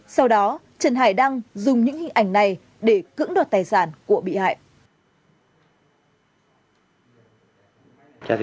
sau đó trần hải đăng dùng những hình ảnh này để cưỡng đoạt tài sản của bị hại